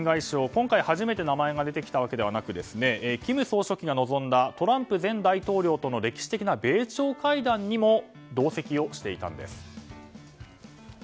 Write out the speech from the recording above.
今回初めて出てきたわけではなく金総書記が臨んだトランプ前大統領との歴史的な米朝会談にも同席をしていたんです。